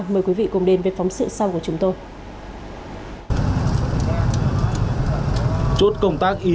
mời quý vị cùng đến với phóng sự sau của chúng tôi